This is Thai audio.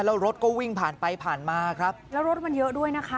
แล้วรถก็วิ่งผ่านไปผ่านมาครับแล้วรถมันเยอะด้วยนะคะ